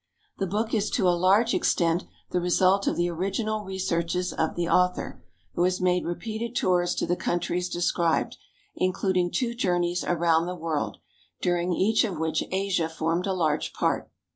The book is to a large extent the result of the original researches of the author, who has made repeated tours to the countries described, including two journeys around the world, during each of which Asia formed a large part.